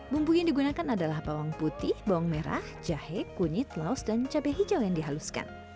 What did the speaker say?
bumbu yang digunakan adalah bawang putih bawang merah jahe kunyit laos dan cabai hijau yang dihaluskan